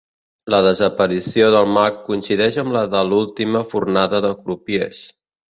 La desaparició del mag coincideix amb la de l'última fornada de crupiers.